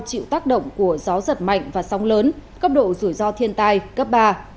chịu tác động của gió giật mạnh và sóng lớn cấp độ rủi ro thiên tai cấp ba